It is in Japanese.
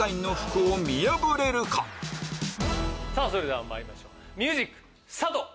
それではまいりましょうミュージックスタート！